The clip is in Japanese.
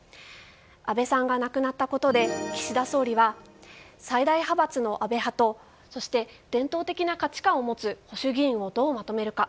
安倍さんが亡くなったことで岸田総理は最大派閥の安倍派と伝統的な価値観を持つ保守議員をどうまとめるか。